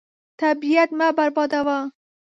طبیعت مه بربادوه.